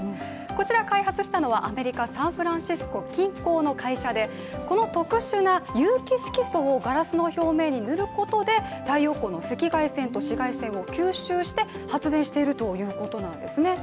こちら開発したのはアメリカ・サンフランシスコ近郊の会社でこの特殊な有機色素をガラスの表面に塗ることで太陽光の赤外線と紫外線を吸収して発電しているということなんですね。